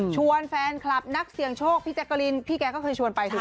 แฟนคลับนักเสี่ยงโชคพี่แจ๊กกะลินพี่แกก็เคยชวนไปด้วย